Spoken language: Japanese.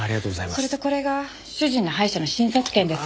それとこれが主人の歯医者の診察券です。